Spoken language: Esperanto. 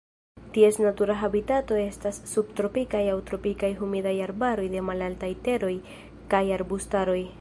Ties natura habitato estas subtropikaj aŭ tropikaj humidaj arbaroj de malaltaj teroj kaj arbustaroj.